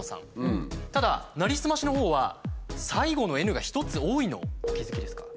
ただなりすましのほうは最後の「Ｎ」が１つ多いのお気付きですか？